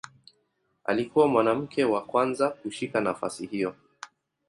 Alikuwa mwanamke wa kwanza kushika nafasi hiyo.